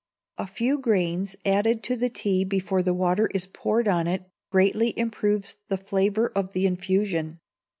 A few grains added to the tea before the water is poured on it greatly improves the flavour of the infusion.